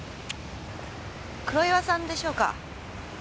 黒岩さんでしょうか？